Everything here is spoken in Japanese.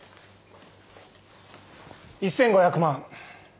１，５００万。